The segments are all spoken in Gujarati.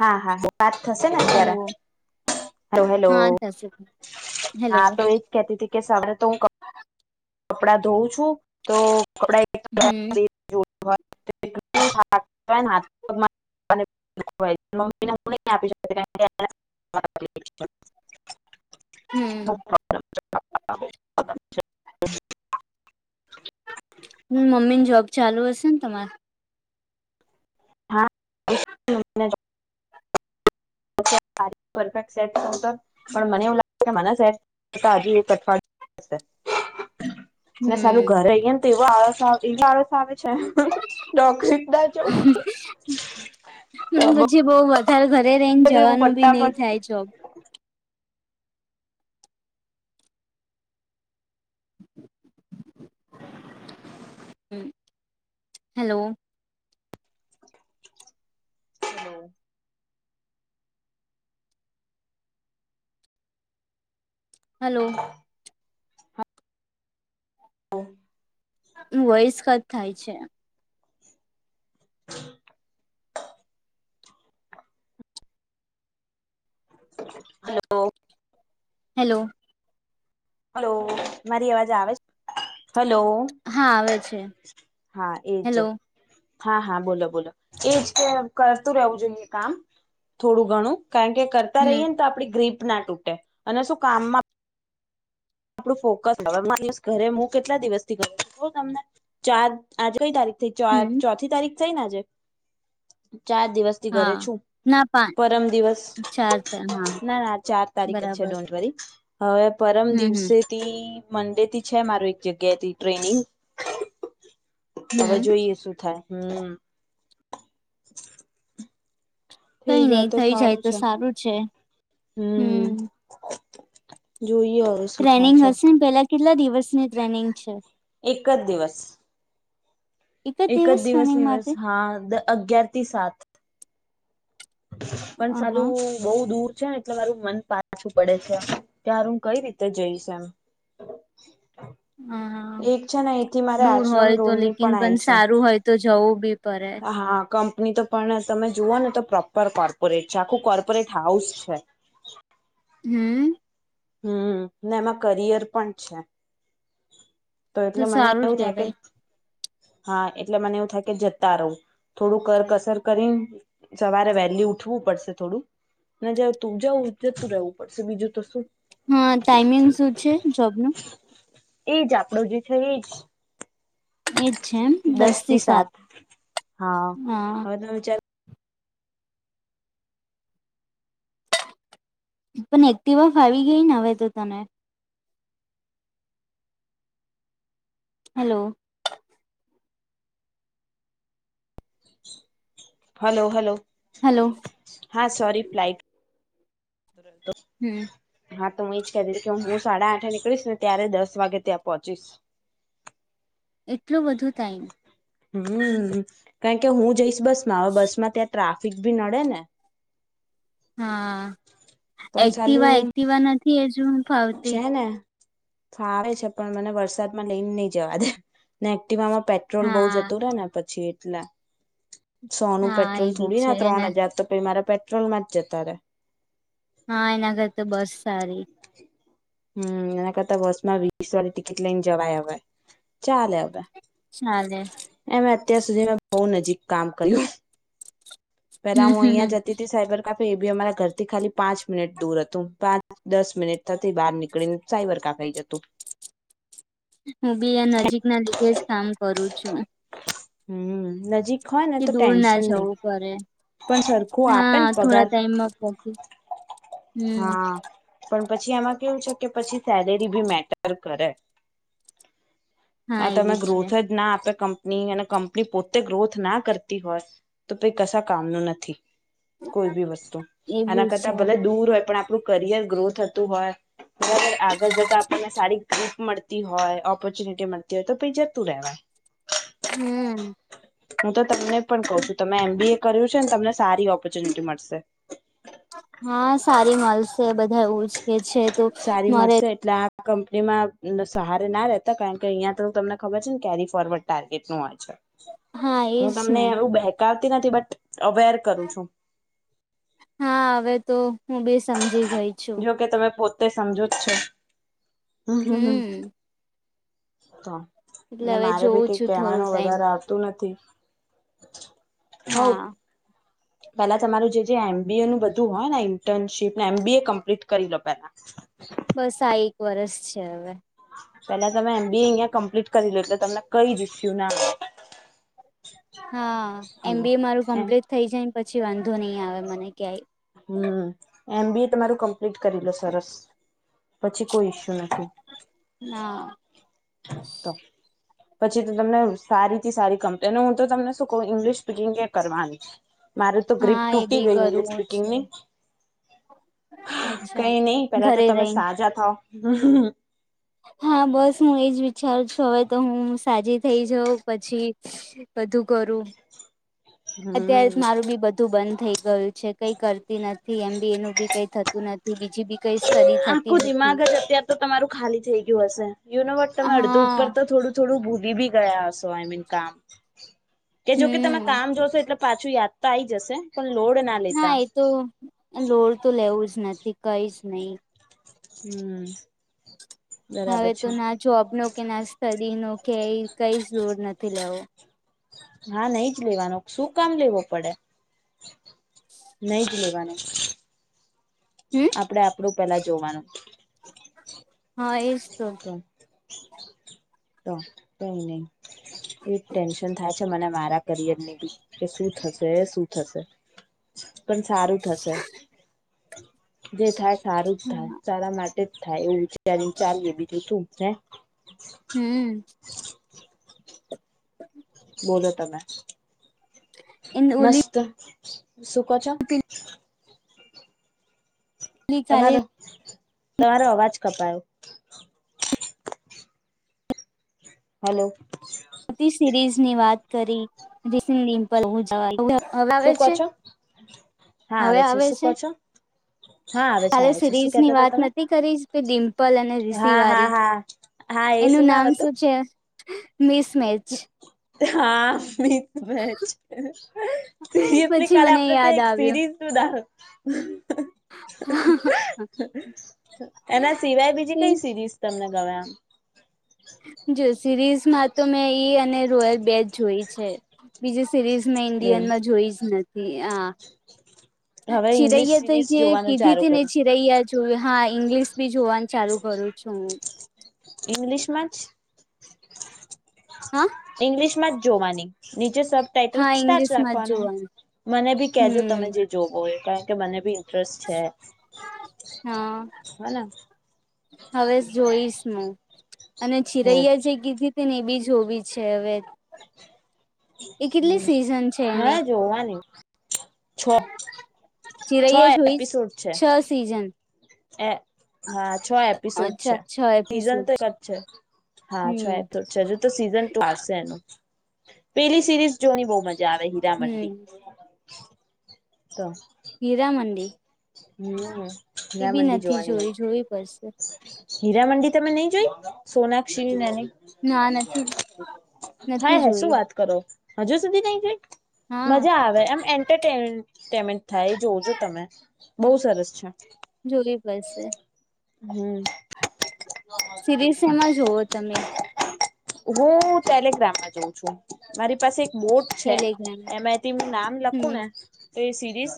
હા હા વાત થશે ને અત્યારે હેલો હ હેલો હા થશે હેલો હા તો એજ કેતી હતીી કે સરે તો હું [inaudible] કપડા ધોવં છું તો કપડા હમ હાથ મમ્મીને હું નહી આપી શક હમ [inaudible] [inaudible] હ મમ્મી ની જોબ ચાલુ હશે ને તમારે હા [inaudible] પરફેક્ટ સેટ પણ મને એવું લાગે કે મને સેટ હજી એક અઠવાડિય ને સારું હમ ઘરે અઈય ને તો એવ આળસ એવી આળસ આવે રોક્ષ દ તો બ પછી બહ વધારે ઘરે રહીને જવાનું બી પર નહીિ થાય ચો હેલો [inaudible] હલો [inaudible] વોઇસ કટ થાય છે [inaudible] [inaudible] હલો હેલો હલો મારી અવાજ આવે છે હલો હા આવે છે હા એજ હેલો હા હા બોલો બોલો એજ કરતું રહેવું જોઈએ કામ થોડું ઘણું કારણ કે કરતા હમ રહીએને તો આપડી ગ્રીપ ના તૂટે અને શું કામમાં આપું ફોકસ ઘરે હું કેટલા દિવસથી ગ છું તમને ચાર આજ કઈ તારીખ ચ હમ ચોથી તારીખ થઈને આજે ચાર દિવસથી ઘરે હા છું ના પા પરમ દિવસ ચાર હા ના ના ચાર તારીખ જ છે બરાબર ડોન્ટ વરી હવે પરમ હમ દિવસ હમ મંડે થી છે માર એક જગ્યાથી ટ્રેનિંગ હવે હમ જોઈએ શું થાય હમ [inaudible] કઈ થઈ નઈ જાય તો થઈ સારું તો છે સારું છે હમ જોઈએ હવે શું થાય ટ્રેનિંગ છે. હશે ને પેલા કેટલા દિવસની ટ્રેનિંગ છે એક જ દિવસ એક જ દિવસ નિિવસ હા અગિયાર થી સાત પણ અ હા. ચાલું બઉુ દૂર છે ને એટલે મારું મન પાછું પડે છે તાર હું કઈ રીતે જઈશ એમ હા હા એક છે ને એથી મારે દૂર આશ્રમ હોય તો રોડની લેકિન પણ આવીય સારું હોય તો જવું બી પડે. છે હા કંપની તો પણ તમે જુઓ ને તો પ્રોપર કોર્પોરેટ છે આખું કોર્પોરેટ હાઉસ છે હમ હમ ને એમાં કરિયર પણ છે તો એટલે મને સારું જ એવું થાય કે કેવાય. હા એટલે મને એવું થાય કે જતા રહો થોડું કરકસર કરી સવારે વહેલી ઉઠવું પડશે થોડું ના જાવ તું જવું જતું રહેવું પડશે બીજું તો શું હા ટાઈમિંગ શું છે જોબ નું એજ આપડો જે છે એજ દસ થી સાત હા હા હવે તો મે વિચાર પણ એક્ટિવા ફાવી ગઈ ને હવે તો તને હેલો હલો હલો હલો હા સોરી પ્લાઇટ [unintelligible] હમ હા તો હું એ જ કહી દઈશ કે હું સાડા આઠે નીકળીશ ને ત્યારે દસ વાગે ત્યાં પહોંચીશ એટલું બધું ટાઈમ હમ કારણ કે હું જઈશ બસ માં હવે બસ માં ત્યાં ટ્રાફિક ભી નડે ને હા પણ એક્ટિવા સાલું એક્ટિવા ફાવતી છે ને ફાવે છે પણ મને વરસાદમાં લઈને નહી જવા દે ને એક્ટિવા માં પેડ પેટ્રોલ બહુ હા જતો રહે ને પછી એટલા સોનું હા એ પેટ્રોલ બી થોડી છે ના ત્રણ એના હજાર તો પછ મારા પેટ્રોલમાં જતા રહેે હા એના કરતાં બસ સારી હમ એના કરતા બસ માં વીસ વાળી ટિકિટ લઈને જવાય હવે ચાલે હવે હા ને એમે અત્યાર સુધી મે બહુ નજીક કામ કર્યું પેલા હું અહિયાં હમ્મ જતી હતી સાયબર કાફે એ બી અમારા ઘરથી ખાલી પાંચ મિનિટ દૂર હતું પાંચ દસ મિનિટ થતી બહાર નીકળીને સાયબરકા ખઈ જતું હું બી નજીક ના લીધે જ કામ કરું છું હમ નજીક હોય ને કે તો દૂર ના ટેન્શન જવું નહી પડે પણ સરખું આપેને હા થોડા પગાર ટાઈમમાં પહોંચી હમ હા પણ પછી એમાં કેવું છે કે પછી સેલેરી ભી મેટર કરે હા હ તમે એવી છે. ગ્રોથ જ ના આપે કં ની અને કંપની પોતે ગ્રોથ ના કરતી હોય તો પહિ કશા કામનું નથી કોઈ બી વસ્તુ આના એવું છે કરતા ભલે દૂર હોય પણ આપણું કરિયર ગ્રો થતું હોય બરાબર આગળ જતા આપણને સારી ગ્રીફ મળતી હોય ઓપોર્ચ્યુનિટી મળતી ત્યારે તો પહિ જતું રહેવાય હમ હું તો તમને પણ કહું છું તમે એમ બી એ કર્યું છે ને તમને સારી ઓપોર્ચ્યુનિટી મળશે હા સારી મળશે બધા એવું જ કે છે તો સારી મારે મળશે એટલે આ કંપનીમાં સહારે ના રહેતા કારણ કે અહીંયા તો તમને ખબર છે ને કેરી ફોરવર્ડ ટારગેટ નું હોય છે હા હું એજ તમને ને એવું બેહેકાવતી નથી બટ અવેર કરું છું હા હવે કે તમે પોતે સમજો જ છો હમ હ હમ એટલે હમમ હવે મારે ભી જોઉં કંઈક છું થોડો કવાનું ટાઈમ વધારે આવતું હું નથી હવ હા પેલા તમારું જે જે એમ બીએ નું બધું હોય ને ઇન્ટર્નશીપ ને એમ બી એ કમ્પ્લીટ કરી લો પેલા બસ આ એક વર્ષ છે હવે પેલા તમે એમ બીએ અહિયા કમ્પ્લીટ કરી લો એટલે તમને કઈ ઇસ્યૂ ના હા એમ હમ બી એ મારું એમ કમ્પ્લીટ થઇ જાયને પછી વાંધો નહી આવે મને ક્યાંય હમ એમ બી એ તમારું કમ્પ્લીટ કરી લો સરસ પછી કોઈ ઈસ્યુ નથી ના. તો. પછી તો તમને સારી થી સારી કંપની અને હું તો તમને શું કહું ઇંગ્લિશ સ્પીકિંગ કે કરવાની. મારું તો ગ્રીપ હા એ તૂટી બી ગય ઇલિશ કરવું સ્પીકિંગ છે ની. અચ્છા કઈ નહીિ પેલા તો ઘરે તમે રહીને સાજા થાવ. હા બસ હું એજ વિચારું છું હવે તો હું સાજી થઈ જાઉં પછી. બધું કરું અત્યારે હમ મારું બી બધું. બંધ થઈ ગયું છે કઈ કરતી નથી એમ બી એનું બી કઈ થતું નથી બીજી બી. કઈ સ્ટડી થતી આખું દિમાગ નથી. જ અત્યાર તો તમારું ખાલી થઈ ગયું હશે યુનોવટ તમે અડધું ઉપર હા તો થોડું થોડું ભૂલી ભી ગયા હસો આઈ મીન કામ કે જોકે તમે હમ કામ જોશો એટલે પાછું યાદ આઈ જશે પણ લોડ ના ના લેતા એ તો લોડ તો લેવું જ નથી કઈ જ નહીિ. હમ. હવે બરાબર તો છે ના જોબ નો કે ના સ્ટડી નો કે કઈ જોર નથી લેવો. હા નઈ જ લેવાનું શું કામ લેવો પડે નઈ જ લેવાનું. હમ આપડે આપડું પેલા જોવાનું. હા એ જ તો. [inaudible] તો કઈ નહી એ ટેન્શન થાય છે મને મારા કરિયર ની બી કે શું થશે શું થશે. પણ સારું થશે જે થાય સારું જ થાય સારા માટે થાય એવું છે્યારે ચા બીજું શું છે. હમ. હ. બોલ તમે એન ઓલી મસ્ત સુકો છો. પેલી કાલે તમારો તમારો અવાજ કપાયો. હલો. સિરીઝ ની વાત કરીપ. [unintelligible] હવે શું કહો છે છો હા હવે આવે શું છે. કહો છો હા આવે છે હાલે આવે છે શું સિરીઝ કેતા ની હતા વાત તમે નથી કરીશ કે ડિમ્પલ અને રીસીિ હા હા વાળી હા. હા એ એનું નામ હતું શું છે મિસમેચ. હા બી બે છે સિરિયસલી પછી કાલે મને આપડે તો યાદ એક સિરીઝ તુંધા. આવ્યું એના સિવાય બીજી કઈ સિરીઝ તમને ગમે આમ જો સિરીઝમાં તો મેં ઈ અને રોયલ બેચ જોઈ છે. બીજી સિરીઝ મેં એવું ઇન્ડિયનમાં જોઈ જ નથી આ હવે ઈંગ્લિશ છિરૈયા તો સિરીઝ જે જોવાનું કીધી ચાલુ હતી ને કરો છિરૈયા. જો હા ઇંગ્લિશ બી જોવાનું ચાલુ કરું છું હું. ઇંગલિશ માછ. હા ઈંગ્લિશ માં જ જોવાની નીચે શબ. ટાઇટલ હા સ્ટાર ઈંગ્લિશમાં જ રાખવાનું જોવાનું મને બી કેજો હમ તમે જે જોબો એ કારણ કે મને બી ઇન્ટરેસ્ટ છે હા હોને હવે જોઈશ ન અને હો છીરૈયા છે કીધી ને એ બી જોવીી છે હવે એ કેટલી સિઝન છે એની જોવાની. છો. ચીરાૈએ જોઈ છે છો સિઝન એ હા છ એપિસોડ છે અચ્છા છ સીઝન એપિસોડ તો એક જ છે. હા છે એ હમ તો છે હજુ તો સીઝન ટુ આવશે એનું પેલી સિરીઝ જોની બહુ મજા આવે હીરા હમ મંડી તો હીરામંડી હમ ના મડી જોવાની મળ જો પડશે હીરા મંડી તમે નહી જોઈ સોનાક્ષી એની ના નથી હા નથી હે જોઈ શું વાત કરો? હજુ સુધી નઈ ગઈ હા મજા આવે એમ એન્ટરટેમે પેમેન્ટ થાય એ જોવ છો તમે બહુ સરસ છે જુ હમ સિરીઝ એમાં જોવો તમે હું તેલગ્રામમાં જઉં છું મારી પાસે એક બોટ છે ટેલિગ્રામ એમાંથી હું નામ લખું હમ ને તો એ સિરીઝ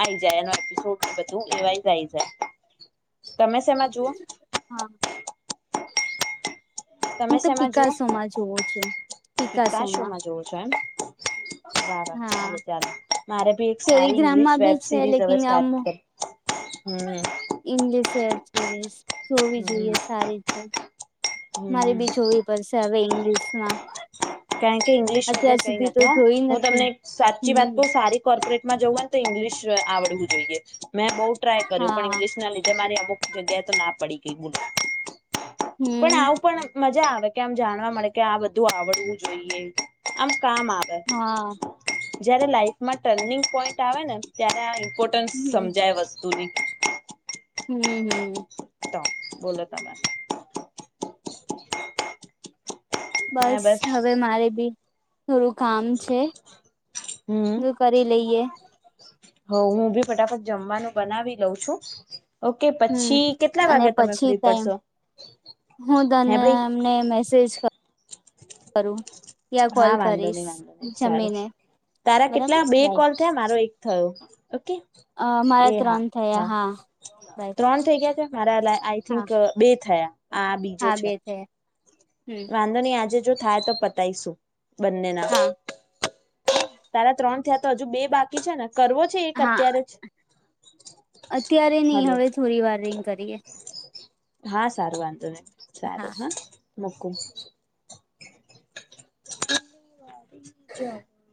આઈ જાય એ એપિસોડ બધું એવાય જ આવી જાય તમે શેમાં જુઓ હા તમે હું તો શેમાં જુવઓ પિકાસોમાં જોઉં છું કેટલા પિકાસોમાં શોમાં જોવ છો એમ બાર ચ હા ચલે મારે ભી એક સારી ઇંગ્લિશ ટેલિગ્રામમાં બી વેબ છે સિરીઝ હવે લેકિન સ્ટાર્ટ કરી હમ ઇંગલિેર રસ જોવી જોઈએ હમ સારી છે મારે હમ બી જોવી પડશે હવે ઇંગ્લિશમાં કારણ કે ઈંગ્લિશ વગર કઈ જોઈ નથી હું નથી તમને સાચી વાત હમ કહ સારી કોર્પોરેટમાં જવું ને તો ઇંગ્લિશ આવડવું જોઈએ મેં બઉુ ટ્રાય કર્યું પણ હા ઇંગ્લિશ ના લીધે મારી આ બુક ગે તો ના પડી ગઈ બલ પણ હમ આવું પણ મજા આવે કે આમ જાણવા મળે કે આ બધું આવડવું જોઈએ આમ કામ આવે હા જયારે લાઈફમાં ટર્નિંગ પોઈન્ટ આવેને ત્યારે પ હમ સમજાય વસ્તુની હમ હમ તો બોલો તમામે બસ હવે મારે બી થોડું કામ છે બધું કરી લઈએ હ હું બી ફટાફટ જમવાનું બનાવી લઉં છું ઓકે હમ પછી કેટલા અને વાગે તમે પછી ફ્રી ટાઈમ પડશો હે ભાઈ તમ મેસેજ કરું ત્યાં કોલ હા વાંધો કરીશ નહી વાંધો નહી સારું જમીને તારા બરાબર કેટલા બે કોલ થયા મારો એક થયો ઓકે અ મારા એ હા ત્રણ થયા હા બાય ત્રણ થઇ ગયા છે મારા લ આઈ હા થિંક બે થયા આ હા બે છે હમ કંદોની આજે જો થાય તો પતાયશું બંનેના હા તારા ત્રણ થયા તો હજુ બે બાકી છે ને કરવો છે એક હા અત્યારે જ અત્યારે નહી હલો હવે થોડી વાર રિંગ કરીએ હા સારું વાંધો નહી સારું હા મૂકું [unintelligible]